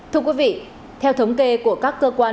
thưa quý vị theo thống kê của các cơ quan